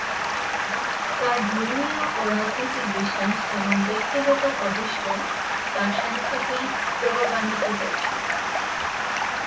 তার ধর্মীয় ও রাজনৈতিক বিশ্বাস এবং ব্যক্তিগত অভীষ্ট তার সাহিত্যকে প্রভাবান্বিত করেছিল।